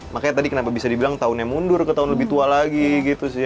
makanya tadi kenapa bisa dibilang tahunnya mundur ke tahun lebih tua lagi gitu sih